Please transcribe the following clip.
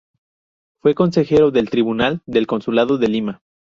Fue consejero del Tribunal del Consulado de Lima.